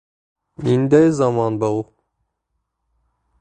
Ниндәй заман был?